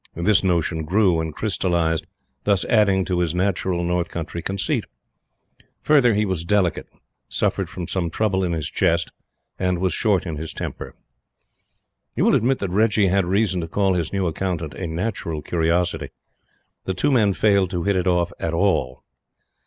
This notion grew and crystallized; thus adding to his natural North country conceit. Further, he was delicate, suffered from some trouble in his chest, and was short in his temper. You will admit that Reggie had reason to call his new Accountant a Natural Curiosity. The two men failed to hit it off at all.